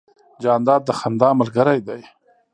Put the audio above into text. جانداد د خندا ملګری دی.